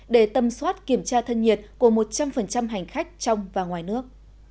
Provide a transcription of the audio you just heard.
để tâm soát kiểm tra thân nhiệt của một trăm linh hành khách trong và ngoài nước